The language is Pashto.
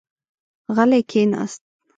غلی کېناست.